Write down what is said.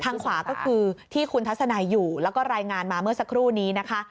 ขวาก็คือที่คุณทัศนัยอยู่แล้วก็รายงานมาเมื่อสักครู่นี้นะคะ